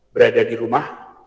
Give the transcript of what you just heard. berada di rumah